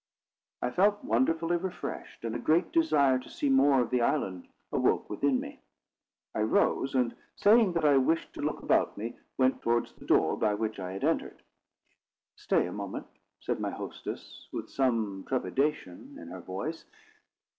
I felt wonderfully refreshed; and a great desire to see more of the island awoke within me. I rose, and saying that I wished to look about me, went towards the door by which I had entered. "Stay a moment," said my hostess, with some trepidation in her voice.